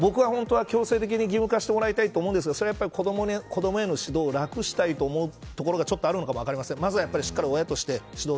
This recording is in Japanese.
僕は妥協せず、強制的にしてもらいたいと思うんですがそれは子どもへの指導をなくしたいと思うところがあるのかもしれません。